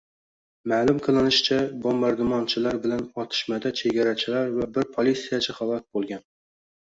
Ma'lum qilinishicha, bombardimonchilar bilan otishmada chegarachilar va bir politsiyachi halok bo'lgan